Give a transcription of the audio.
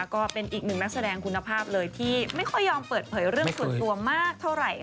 ก็เป็นอีกหนึ่งนักแสดงคุณภาพเลยที่ไม่ค่อยยอมเปิดเผยเรื่องส่วนตัวมากเท่าไหร่